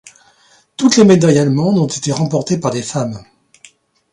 Toutes les médailles allemandes ont été remportées par des femmes.